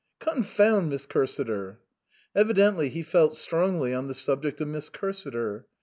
" Confound Miss Cursiter !" Evidently he felt strongly on the subject of Miss Cursiter.